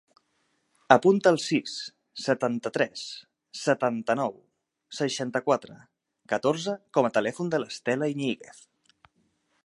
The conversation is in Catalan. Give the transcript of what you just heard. Apunta el sis, setanta-tres, setanta-nou, seixanta-quatre, catorze com a telèfon de l'Estela Iñiguez.